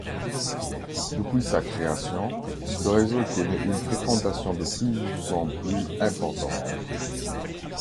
Depuis sa création, le réseau connaît une fréquentation de plus en plus importante.